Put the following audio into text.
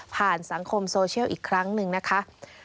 สังคมโซเชียลอีกครั้งหนึ่งนะคะ